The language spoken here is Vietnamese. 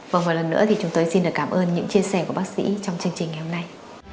và một lần nữa thì chúng tôi xin được cảm ơn những chia sẻ của bác sĩ trong chương trình ngày hôm nay